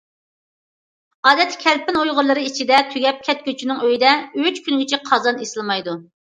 ئادەتتە كەلپىن ئۇيغۇرلىرى ئىچىدە تۈگەپ كەتكۈچىنىڭ ئۆيىدە ئۈچ كۈنگىچە قازان ئېسىلمايدۇ.